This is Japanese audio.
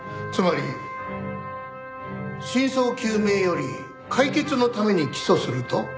つまり真相究明より解決のために起訴すると？